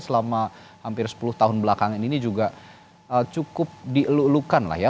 selama hampir sepuluh tahun belakangan ini juga cukup dielu elukan lah ya